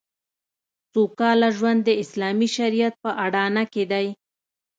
سوکاله ژوند د اسلامي شریعت په اډانه کې دی